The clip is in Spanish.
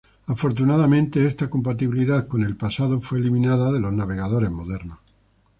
Afortunadamente, esta compatibilidad con el pasado fue eliminada de los navegadores modernos.